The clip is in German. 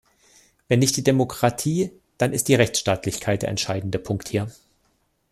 Wenn nicht die Demokratie, dann ist die Rechtsstaatlichkeit der entscheidende Punkt hier.